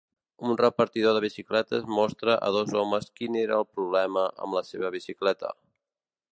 Un reparador de bicicletes mostra a dos homes quin era el problema amb la seva bicicleta.